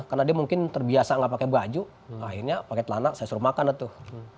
karena dia mungkin terbiasa gak pake baju akhirnya pake telana saya suruh makan tuh